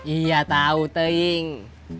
iya tau tehing